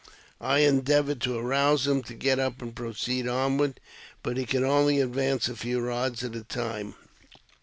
I endeavoured to arouse him to get up and proceed onward, but he could only advance a few rods at a time.